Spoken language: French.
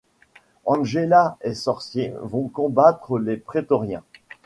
Angela et Sorcier vont combattre Les Prétoriens...